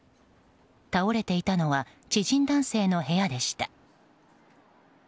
倒れていたのは知人男性の部屋でした。